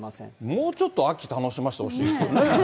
もうちょっと秋楽しませてほしいですよね。